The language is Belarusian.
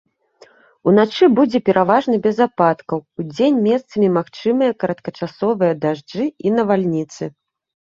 Уначы будзе пераважна без ападкаў, удзень месцамі магчымыя кароткачасовыя дажджы і навальніцы.